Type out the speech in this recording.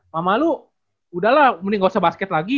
mama lu udahlah mending gak usah basket lagi